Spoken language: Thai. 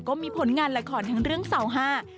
ก็มีผลงานละครทั้งเรื่องเสาห้า